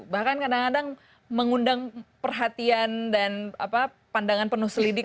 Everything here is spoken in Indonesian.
bahkan kadang kadang mengundang perhatian dan pandangan penuh selidik